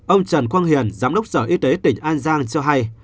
ông trần quang hiền giám đốc sở y tế tỉnh an giang cho hay